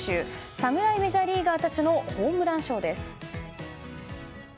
侍メジャーリーガーたちのホームランショーです。